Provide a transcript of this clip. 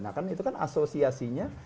nah kan itu kan asosiasinya